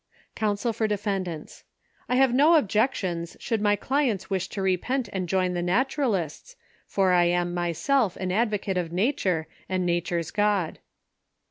C. for D's. — I have no objections, should my clients wish to repent and join the Naturalists, for I am myself an ad vocate of Nature and Nature's God.